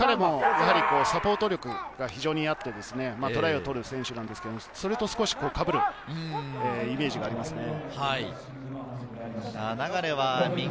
彼もサポート力が非常にあってトライを取る選手なんですけれど、それと少しかぶるイメージがあります。